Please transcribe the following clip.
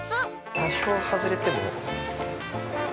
◆多少外れても。